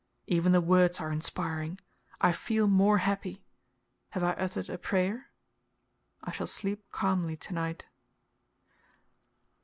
Even the words are inspiring. I feel more happy. Have I uttered a prayer? I shall sleep calmly to night.